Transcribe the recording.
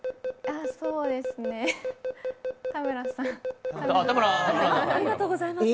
そうですね、田村さん。